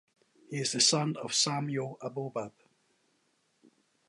He is the son of Samuel Aboab.